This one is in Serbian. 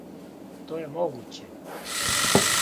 То је могуће.